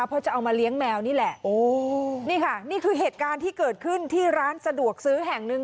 เพราะจะเอามาเลี้ยงแมวนี่แหละโอ้นี่ค่ะนี่คือเหตุการณ์ที่เกิดขึ้นที่ร้านสะดวกซื้อแห่งหนึ่ง